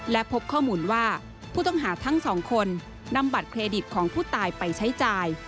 และพบข้อมูลว่าผู้ต้องหาทั้งสองคนนำบัตรเครดิตของผู้ตายไปใช้จ่าย